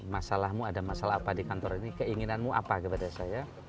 masalahmu ada masalah apa di kantor ini keinginanmu apa kepada saya